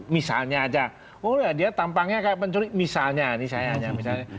misalnya aja oh ya dia tampangnya kayak pencuri misalnya ini sayangnya